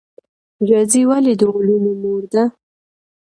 ریاضي ولې د علومو مور ده؟